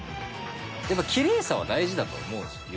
やっぱキレイさは大事だと思うんですよ